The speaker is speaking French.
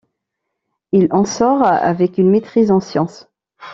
Il en sort avec une maîtrise en sciences.